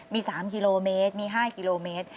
มี๓กิโลเมตรมี๕กิโลเมตร